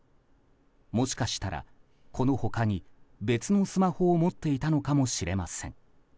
もしかしたら、この他に別のスマホを持っていたのかもしれません。